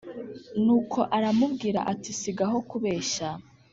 Nuko aramubwira ati sigaho kubeshya